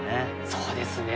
そうですね。